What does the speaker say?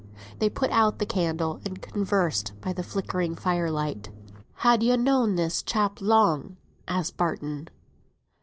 They put out the candle and conversed by the flickering fire light. "Han yo known this chap long?" asked Barton.